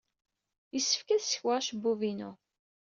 Yessefk ad ssekweɣ acebbub-inu.